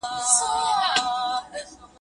په نقره کې د انارو ډک رګونه